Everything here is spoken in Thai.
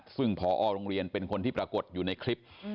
ซึ่งพอโรงเรียนเป็นคนที่ปรากฏอยู่ในคลิป